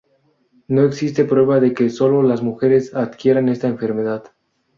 No existe prueba de que solo las mujeres adquieran esta enfermedad.